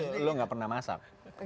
jadi lo nggak pernah masak